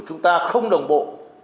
nếu chúng ta không đồng bộ